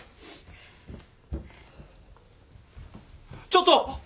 ちょっと！